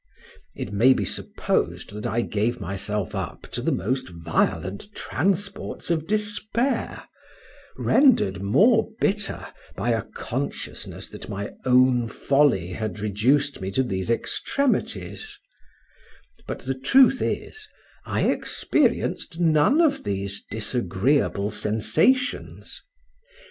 It may be supposed that I gave myself up to the most violent transports of despair, rendered more bitter by a consciousness that my own folly had reduced me to these extremities; but the truth is, I experienced none of these disagreeable sensations.